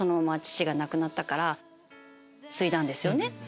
父が亡くなったから継いだんですよね。